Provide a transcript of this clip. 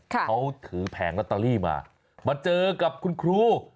เขาถือแผงลอตเตอรี่มามาเจอกับคุณครู